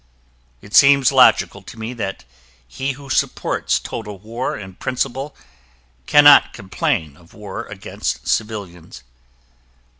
It seems logical to me that he who supports total war in principle cannot complain of war against civilians.